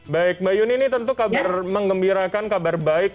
baik mbak yuni ini tentu kabar mengembirakan kabar baik